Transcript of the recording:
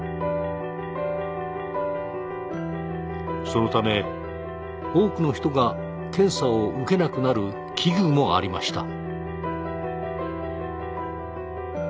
そのため多くの人が検査を受けなくなる危惧もありました。